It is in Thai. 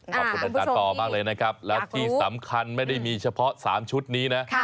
ขอบคุณอาจารย์ปอมากเลยนะครับแล้วที่สำคัญไม่ได้มีเฉพาะ๓ชุดนี้นะ